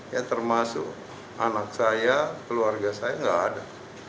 ya termasuk anak saya keluarga saya nggak ada